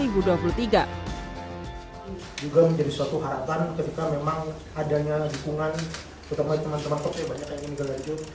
juga menjadi suatu harapan ketika memang adanya dukungan ketemu teman teman kopi banyak yang ingin ke liga dua